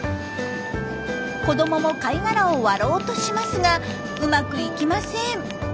子どもも貝殻を割ろうとしますがうまくいきません。